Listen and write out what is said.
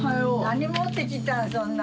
何持ってきたん？